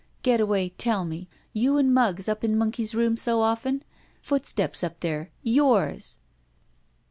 Getaway, tell me, you and Muggs up in Monkey's room so often? Footsteps up there! Yours!"